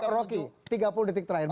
roky tiga puluh detik terakhir